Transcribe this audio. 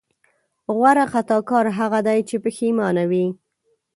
غوره خطاکار هغه دی چې پښېمانه وي.